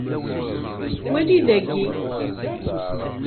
Wali dagi.